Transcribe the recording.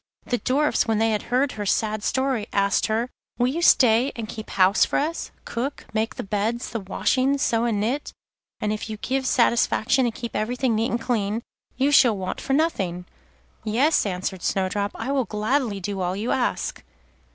The Dwarfs, when they had heard her sad story, asked her: 'Will you stay and keep house for us, cook, make the beds, the washing, sew and knit? and if you give satisfaction and keep everything neat and clean, you shall want for nothing.' 'Yes,' answered Snowdrop, 'I will gladly do all you ask.